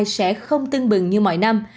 sẽ không tưng bừng như mọi năm